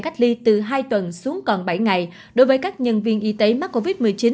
cách ly từ hai tuần xuống còn bảy ngày đối với các nhân viên y tế mắc covid một mươi chín